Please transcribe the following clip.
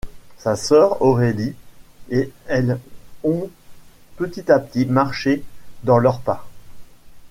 Sa sœur, Aurélie, et elle ont petit à petit marché dans leurs pas.